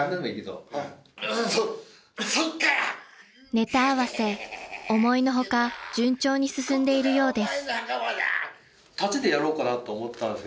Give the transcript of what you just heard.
［ネタ合わせ思いの外順調に進んでいるようです］